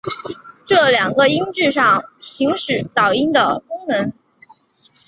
这两个音本质上行使导音的功能。